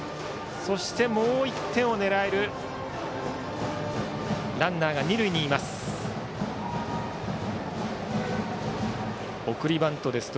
そして、もう１点を狙えるランナーが二塁にいます。